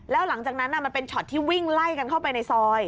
แล้วหลังจากนั้นมันเป็นช็อตที่วิ่งไล่กันเข้าไปในซอย